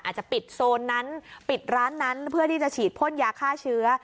อาจจะปิดโซนนั้นปิดร้านนั้นเพื่อที่จะฉีดพ่นยาฆ่าเชื้อ